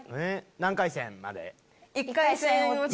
何回戦まで？